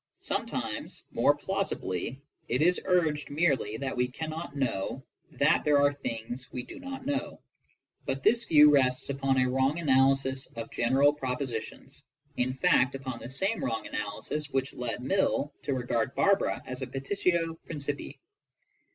Some times, more plausibly, it is urged merely that we can not know that there are things we do not know; but this view rests upon a wrong analysis of general propositions, in fact upon the same wrong analy sis which led Mill to regard Barbara as a petitio principii.